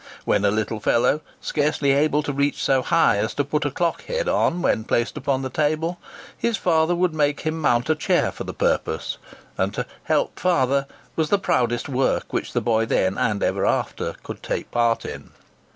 When a little fellow, scarcely able to reach so high as to put a clock head on when placed upon the table, his father would make him mount a chair for the purpose; and to "help father" was the proudest work which the boy then, and ever after, could take part in.